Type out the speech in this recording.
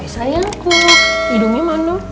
sayangku hidungnya mana